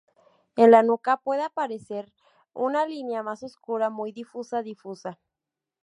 En la nuca puede aparecer una línea más oscura muy difusa difusa.